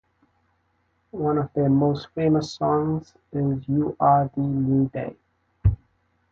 One of their most famous songs is You Are The New Day.